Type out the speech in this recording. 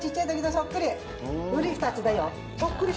うり二つだよ。